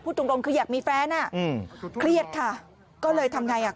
ตรงตรงคืออยากมีแฟนอ่ะอืมเครียดค่ะก็เลยทำไงอ่ะ